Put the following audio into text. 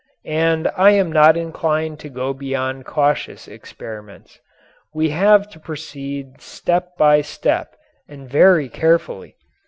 And I am not inclined to go beyond cautious experiments. We have to proceed step by step and very carefully.